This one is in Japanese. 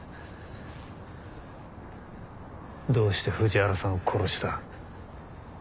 どうして藤原さんを殺した？